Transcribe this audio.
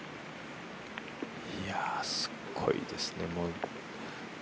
すごいですね。